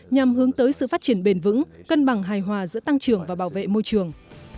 nhằm hướng tới sự phát triển bền vững cân bằng hài hòa giữa tăng trưởng và bảo vệ môi trường